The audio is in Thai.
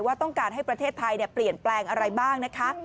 ว่าต้องการให้ประเทศไทยเปลี่ยนแปลงอะไรบ้างนะคะ